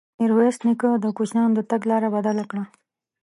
ميرويس نيکه د کوچيانو د تګ لاره بدله کړه.